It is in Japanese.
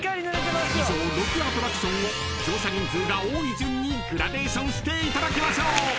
［以上６アトラクションを乗車人数が多い順にグラデーションしていただきましょう］